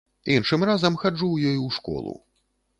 Іншым разам хаджу ў ёй у школу.